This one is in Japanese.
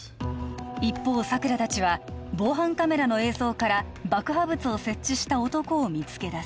一方佐久良達は防犯カメラの映像から爆破物を設置した男を見つけ出す